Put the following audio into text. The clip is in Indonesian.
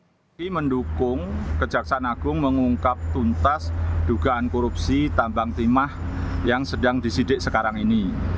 kami mendukung kejaksaan agung mengungkap tuntas dugaan korupsi tambang timah yang sedang disidik sekarang ini